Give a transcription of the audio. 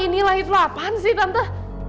ini lahir apaan sih tante